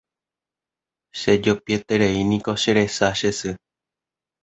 Chejopietereíniko che resa che sy